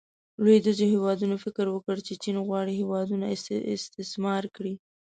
لویدیځو هیوادونو فکر وکړو چې چین غواړي هیوادونه استثمار کړي.